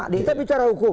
kita bicara hukum